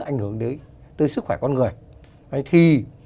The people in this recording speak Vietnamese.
ảnh hưởng đến sức khỏe con người